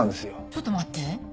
ちょっと待って。